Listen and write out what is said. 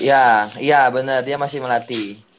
ya iya bener dia masih melatih